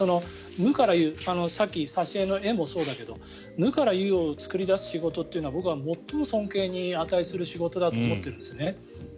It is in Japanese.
無から有さっき挿絵の絵もそうだけれど無から有を作り出す仕事というのは僕は最も尊敬に値する仕事だと思っているんですね。